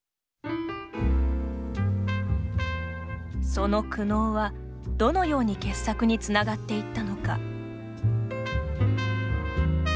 その苦悩はどのように傑作につながっていったのか。